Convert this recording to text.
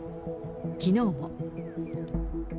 きのうも。